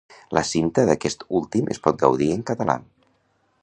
La cinta d'aquest últim es pot gaudir en català.